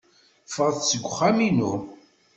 Ffɣet seg uxxam-inu.